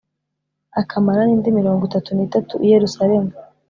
akamara n’indi mirongo itatu n’itatu i Yerusalemu.